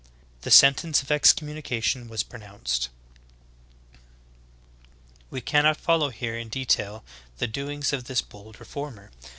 The sentence of excommunication v/as pronounced. 7. We cannot follow here in detail the doings of this bold reformer.